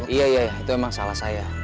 iya iya itu emang salah saya